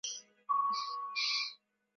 Rais Samia ametolea mfano wa Wanawake hapa nchini